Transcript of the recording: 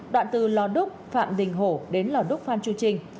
đoạn từ lò đúc phạm đình hổ đến lò đúc phan chu trinh